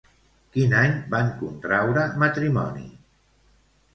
Quin any van contraure matrimoni?